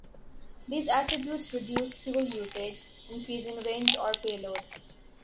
These attributes reduce fuel usage, increasing range or payload.